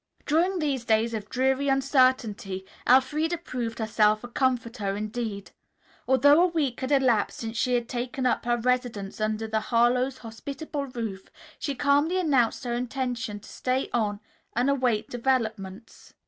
During these days of dreary uncertainty, Elfreda proved herself a comforter indeed. Although a week had elapsed since she had taken up her residence under the Harlowe's hospitable roof, she calmly announced her intention to stay on and await developments.